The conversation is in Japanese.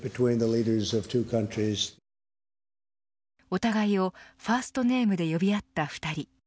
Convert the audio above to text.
お互いをファーストネームで呼び合った２人。